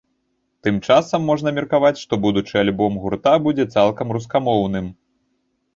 Тым часам, можна меркаваць, што будучы альбом гурта будзе цалкам рускамоўным.